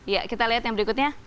ya kita lihat yang berikutnya